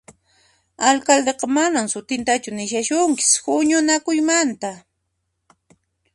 Alcaldeqa manan sut'intachu nishasunkis huñunakuymanta